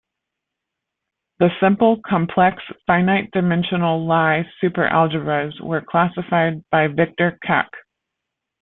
The simple complex finite-dimensional Lie superalgebras were classified by Victor Kac.